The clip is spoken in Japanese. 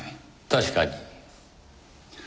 確かに。